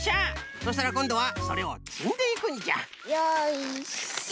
そしたらこんどはそれをつんでいくんじゃ。よいしょ。